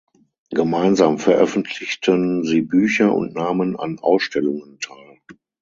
Gemeinsam veröffentlichten sie Bücher und nahmen an Ausstellungen teil.